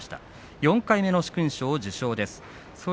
４回目の殊勲賞受賞です。